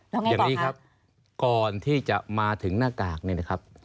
แล้วไงก่อนครับอย่างนี้ครับก่อนที่จะมาถึงหน้ากากนี่นะครับ